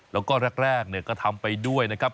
แล้วก็แรกก็ทำไปด้วยนะครับ